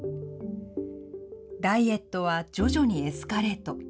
ダイエットは徐々にエスカレート。